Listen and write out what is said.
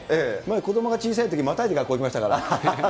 まだ子どもが小さいとき、またいで学校に行きましたから。